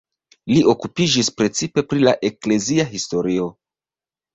Li okupiĝis precipe pri la eklezia historio.